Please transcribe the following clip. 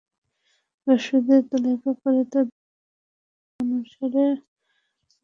ব্যবসায়ীদের তালিকা করে তাঁদের দোকানের ক্রমানুসারে দোকান বুঝিয়ে দেওয়ার কাজ শুরু হয়েছে।